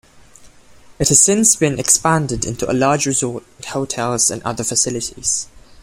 It has since been expanded into a large resort with hotels and other facilities.